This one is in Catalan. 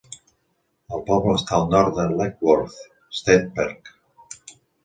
El poble està al nord del Letchworth State Park.